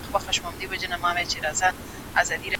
رانجه د کلتور برخه ده.